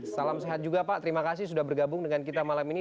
salam sehat juga pak terima kasih sudah bergabung dengan kita malam ini